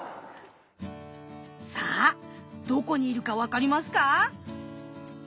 さあどこにいるか分かりますか。